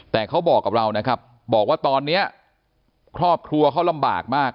แต่เขาบอกกับเรานะครับบอกว่าตอนนี้ครอบครัวเขาลำบากมาก